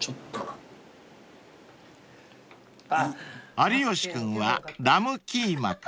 ［有吉君はラムキーマから］